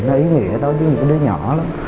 nó ý nghĩa đối với những đứa nhỏ lắm